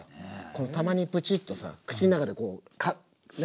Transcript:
このたまにプチッとさ口の中でこうね